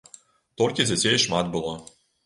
Толькі дзяцей шмат было.